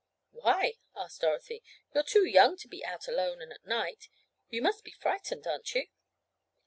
"Why?" asked Dorothy. "You're too young to be out alone and at night. You must be frightened; aren't you?"